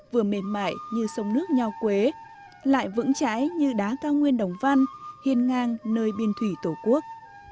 vừa mềm mại như sông nước nho quế lại vững trái như đá cao nguyên đồng văn hiên ngang nơi biên thủy tổ quốc